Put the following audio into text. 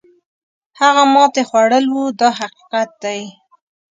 هغه ماتې خوړل وو دا حقیقت دی.